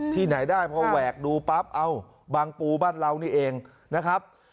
ที่ไหนได้พอแหวกดูปั๊บเอ้าบางปูบ้านเรานี่เองนะครับ